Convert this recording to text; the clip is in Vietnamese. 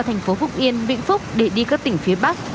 thành phố phúc yên vĩnh phúc để đi các tỉnh phía bắc